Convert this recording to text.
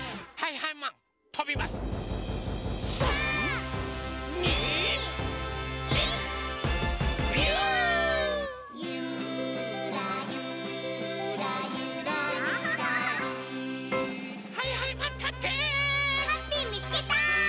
ハッピーみつけた！